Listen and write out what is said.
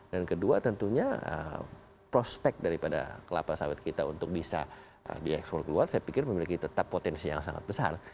dan kedua tentunya prospek daripada kelapa sawit kita untuk bisa di eksplor keluar saya pikir memiliki tetap potensi yang sangat besar